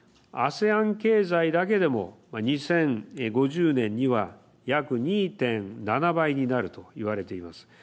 ＡＳＥＡＮ経済だけでも２０５０年には約２．７倍になると言われています。